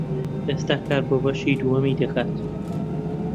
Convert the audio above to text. ئێستا کار بۆ بەشی دووەمی دەکات.